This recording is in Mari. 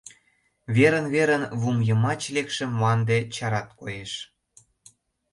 Верын-верын лум йымач лекше мланде чарат коеш.